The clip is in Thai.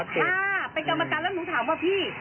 ถ้าเป็นกรรมการแล้วหนูถามว่าพี่